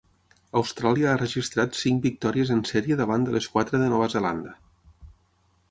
Austràlia ha registrat cinc victòries en sèrie davant de les quatre de Nova Zelanda.